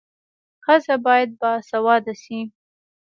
ښځه باید باسواده سي.